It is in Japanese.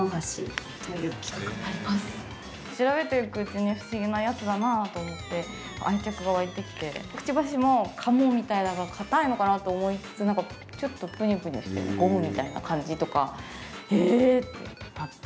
調べていくうちに不思議なやつだなと思って愛着が湧いてきてくちばしも、カモみたいだからかたいのかなと思いつつなんか、ちょっとぷにぷにしてるゴムみたいな感じとかええ！ってなって。